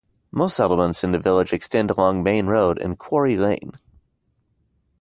Most settlements in the village extend along Main Road and Quarry Lane.